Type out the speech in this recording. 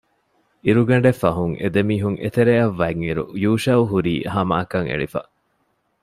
އިރުގަނޑެއް ފަހުން އެދެމީހުން އެތެރެއަށް ވަތްއިރު ޔޫޝައު ހުރީ ހަމައަކަށް އެޅިފަ